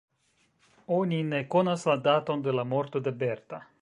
Oni ne konas la daton de la morto de Berta.